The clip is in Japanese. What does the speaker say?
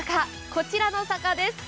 こちらの坂です。